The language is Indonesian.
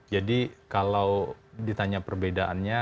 jadi kalau ditanya perbedaannya